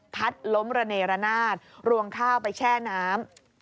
พัดล้มระเนรนาศรวงข้าวไปแช่น้ำ